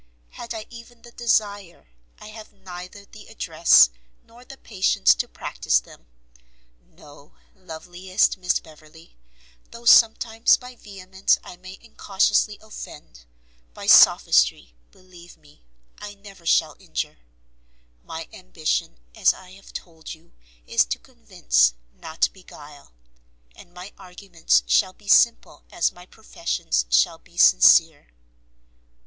Had I even the desire, I have neither the address nor the patience to practice them; no, loveliest Miss Beverley, though sometimes by vehemence I may incautiously offend, by sophistry, believe me, I never shall injure; my ambition, as I have told you, is to convince, not beguile, and my arguments shall be simple as my professions shall be sincere.